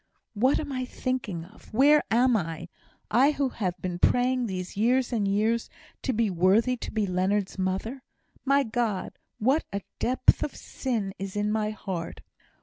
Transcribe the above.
"What am I thinking of? Where am I? I who have been praying these years and years to be worthy to be Leonard's mother. My God! what a depth of sin is in my heart!